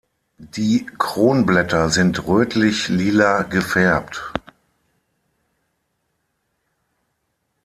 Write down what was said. Die Kronblätter sind rötlich-lila gefärbt.